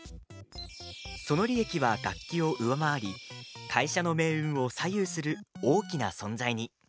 その利益は楽器を上回り会社の命運を左右する大きな存在に。